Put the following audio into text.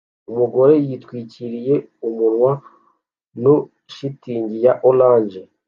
Umugore yitwikiriye umunwa nu shitingi ya orange